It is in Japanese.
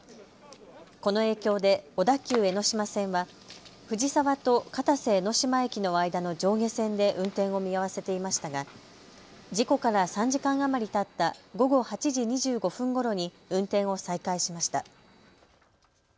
この影響で小田急江ノ島線は藤沢と片瀬江ノ島駅の間の上下線で運転を見合わせていましたが事故から３時間余りたった午後８時２５分ごろに運転を再開しました。